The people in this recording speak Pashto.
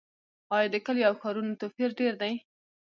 آیا د کلیو او ښارونو توپیر ډیر دی؟